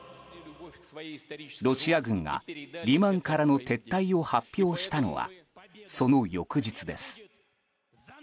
ロシア軍がリマンからの撤退を発表したのは、その翌日です。